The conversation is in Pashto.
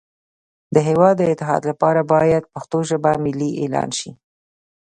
د هیواد د اتحاد لپاره باید پښتو ژبه ملی اعلان شی